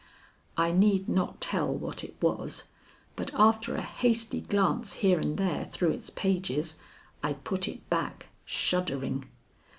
I need not tell what it was, but after a hasty glance here and there through its pages, I put it back, shuddering.